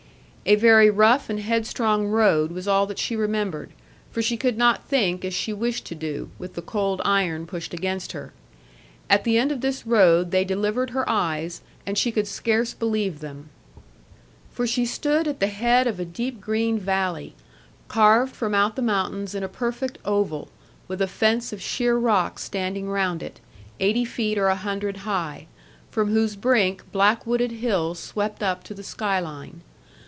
A very rough and headstrong road was all that she remembered, for she could not think as she wished to do, with the cold iron pushed against her. At the end of this road they delivered her eyes, and she could scarce believe them. For she stood at the head of a deep green valley, carved from out the mountains in a perfect oval, with a fence of sheer rock standing round it, eighty feet or a hundred high; from whose brink black wooded hills swept up to the sky line.